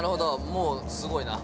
もうすごいな。